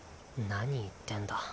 何言ってんだ。